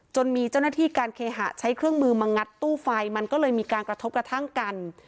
จนมีเจ้าหน้าที่การเคหะใช้เครื่องมือมางัดตู้ไฟมันก็เลยมีการกระทบกระทั่งกัน